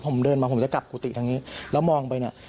ผมเดินมาผมจะกลับกุฏิทางนี้แล้วมองไปเนี่ย